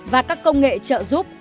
và các công nghệ trợ giúp